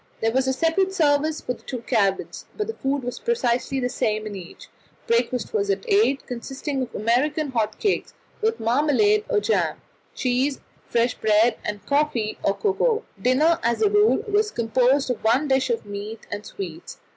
There was a separate service for the two cabins, but the food was precisely the same in each. Breakfast was at eight, consisting of American hot cakes, with marmalade or jam, cheese, fresh bread, and coffee or cocoa. Dinner as a rule was composed of one dish of meat and sweets.